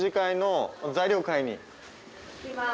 行きます！